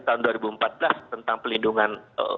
tahun dua ribu empat belas tentang pelindungan